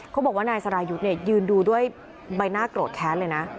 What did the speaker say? เขาบอกว่านายสรายุทธ์เนี่ยยืนดูด้วยใบหน้าโกรธแค้นเลยนะ